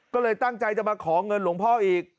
ก็เลยตั้งใจจะมาขอเงินหลวงพ่ออีก